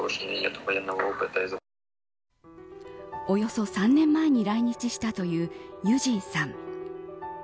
およそ３年前に来日したというユジンさん。